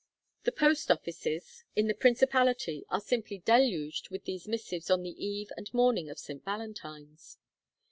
The post offices in the Principality are simply deluged with these missives on the eve and morning of St. Valentine's.